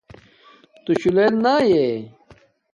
تُشُݸ لݵل نݳئݺ؟